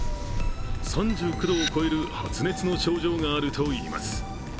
３９度を超える発熱の症状があるといいます。